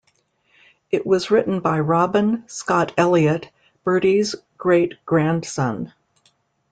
It was written by Robin Scott-Elliot, Bertie's great-grandson.